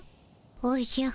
おじゃ。